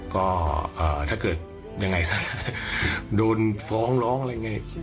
ก็ถ้าเกิดยังไงซะโดนฟ้องร้องอะไรไง